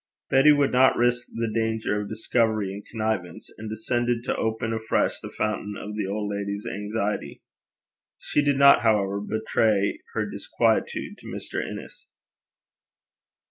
Betty would not risk the danger of discovery in connivance, and descended to open afresh the fountain of the old lady's anxiety. She did not, however, betray her disquietude to Mr. Innes.